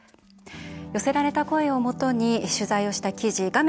寄せられた声をもとに取材をした記事画面